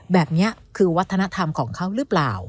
แบบนี้คือวัฒนธรรมของเขาหรือเปล่า